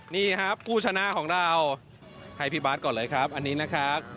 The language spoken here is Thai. นี่ครับผู้ชนะของเราให้พี่บาทก่อนเลยครับอันนี้นะครับ